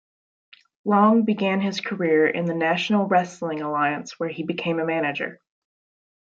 Long began his career in the National Wrestling Alliance where he became a manager.